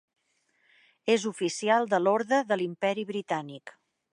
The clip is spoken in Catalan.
És oficial de l'Orde de l'Imperi britànic.